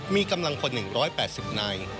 มีกำลังพล๑๘๐นาย